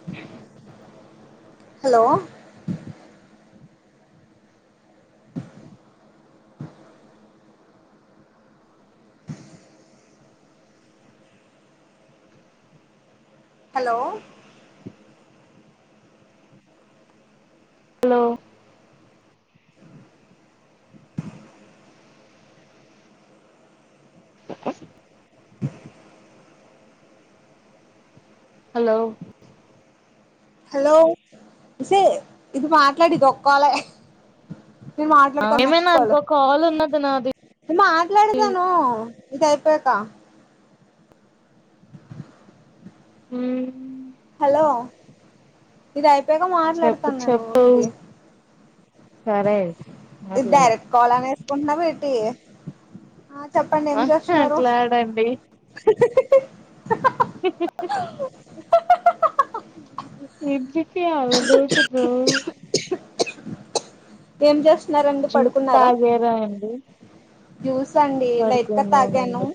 [inaudible] hello hello hello hello hello ఒసేయ్ ఇది మాట్లాడి ఇదొక్కలే నేను మాట్లాడతాను నెక్స్ట్ ఏమైనా కాలు ఇంకో కాల్ ఉన్నది నాది నేను మాట్లాడతాను ఇది అయిపోయాక ఉమ్ హలో ఇది అయిపోయాగా చెప్పు మాట్లాడతాను నేను చెప్పు ఇది సరే ఇది మాట్లాడు డైరెక్ట్ కాల్ అనేసుకుంటున్నావా ఏటి ఆ చెప్పండి ఏం చూస్తున్నారు మాట్లాడండి [inaudible] [unintelligible] ఏం చేస్తున్నారండి జ్యూస్ పడుకున్నారా తాగారా అండి జ్యూస్ అండి లైట్గా తాగాను పడుకున్నానండి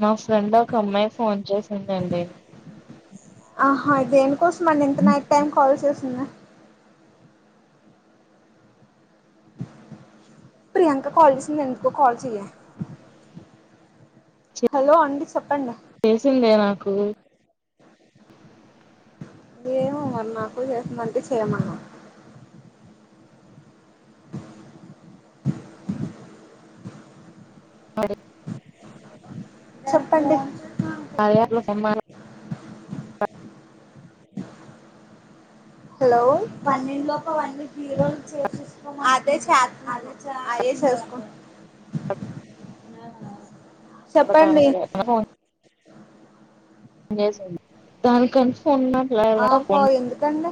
నా ఫ్రెండ్ ఒక అమ్మాయి ఫోన్ చేసిందండి ఆహా దేనికోసం అండి ఇంత నైట్ టైం కాల్ చేసింది ప్రియాంక కాల్ చేసింది ఎందుకో కాల్ చెయ్యే హలో అండి చెప్పండి చేసిందే నాకు ఏమో మరి నాక్కూడా చేసిందనిపిచ్చి చేయమన్న అ [inaudible] చెప్పండి కార్యా యాప్ లో చేయమను [inaudible] హలో పన్నంలోప అవన్నీ క్లియర్ రోల్ చేసిసుకో అదే చే అదే చేసుకో అలాగానే చెయ్ ఫోన్ ఏం చేశావ్ దానికి కన్ఫ ఉన్నట్ల ఆహో ఎందుకండి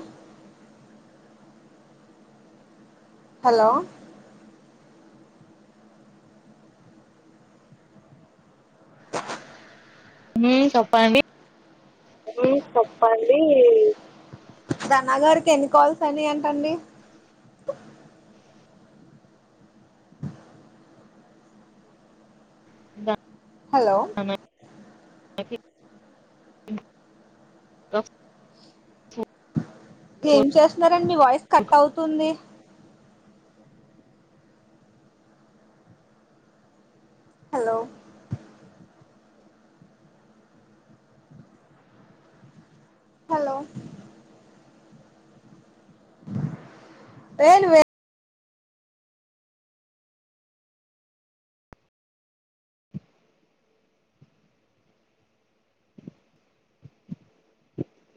హలో ఉమ్ చెప్పండి ఉమ్ చెప్పండి రనాగారికి ఎన్ని కాల్స్ అయినాయి అంట అండి జ హలో క ఏం చేస్తున్నారండి మీ వాయిస్ కట్ అవుతుంది హలో హలో ఏ నువ్వే